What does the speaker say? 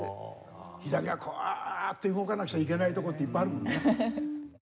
左がこうわあって動かなくちゃいけないとこっていっぱいあるもんね。